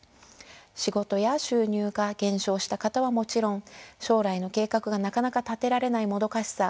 仕事や収入が減少した方はもちろん将来の計画がなかなか立てられないもどかしさ